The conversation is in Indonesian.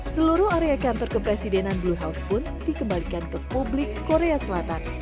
seluruh area kantor kepresidenan blue house pun dikembalikan ke publik korea selatan